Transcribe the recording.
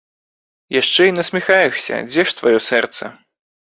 Яшчэ і насміхаешся, дзе ж тваё сэрца?